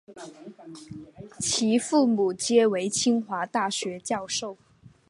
其父母皆为清华大学教授。